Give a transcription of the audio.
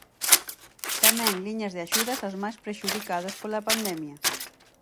Tamén liñas de axudas aos máis prexudicados pola pandemia.